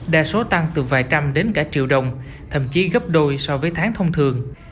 đa số tăng từ vài trăm đến cả triệu đồng thậm chí gấp đôi so với tháng thông thường